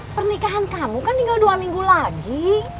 pernikahan kamu kan tinggal dua minggu lagi